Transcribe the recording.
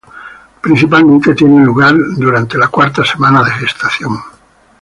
Principalmente tiene lugar durante la cuarta semana de gestación.